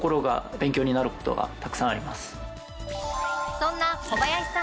そんな小林さんの。